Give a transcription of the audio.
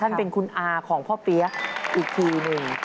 เป็นคุณอาของพ่อเปี๊ยะอีกทีหนึ่ง